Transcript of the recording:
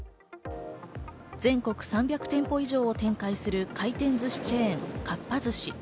全国３００店舗以上を展開する回転寿司チェーン、かっぱ寿司。